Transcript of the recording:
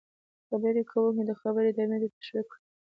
-خبرې کوونکی د خبرو ادامې ته تشویق کړئ: